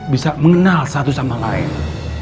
bisa mengenal satu sama lain